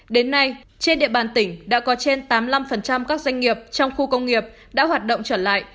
đến nay trên địa bàn tỉnh đã có trên tám mươi năm các doanh nghiệp trong khu công nghiệp đã hoạt động trở lại